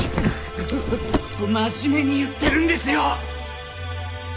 真面目に言ってるんですよ！